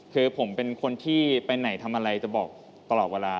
คือผมเป็นคนที่ไปไหนทำอะไรจะบอกตลอดเวลา